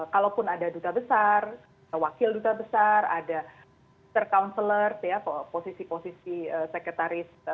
kalau pun ada duta besar ada wakil duta besar ada councilor posisi posisi sekretaris